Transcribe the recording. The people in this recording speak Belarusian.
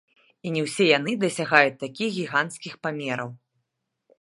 І не ўсе яны дасягаюць такіх гіганцкіх памераў.